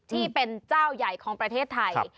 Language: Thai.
ที่เป็นเจ้าใหญ่ของประเทศไทย